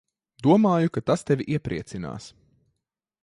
Domāju, ka tas tevi iepriecinās.